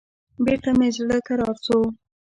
بېرته مې زړه کرار سو.